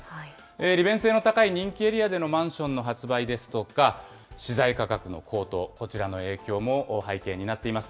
利便性の高い人気エリアでのマンションの発売ですとか、資材価格の高騰、こちらの影響も背景になっています。